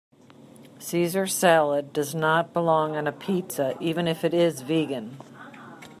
Caesar salad does not belong on a pizza even it it is vegan.